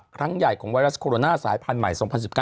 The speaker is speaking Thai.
ครั้งใหญ่ของไวรัสโคโรนาสายพันธุ์ใหม่๒๐๑๙